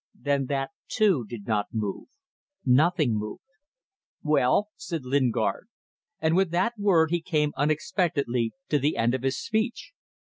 Then that, too, did not move. Nothing moved. "Well," said Lingard, and with that word he came unexpectedly to the end of his speech.